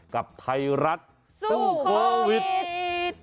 กับไทยรัฐสู้โควิด